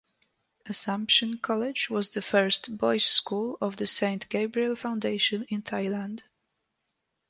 Assumption College was the first boys' school of the Saint Gabriel Foundation in Thailand.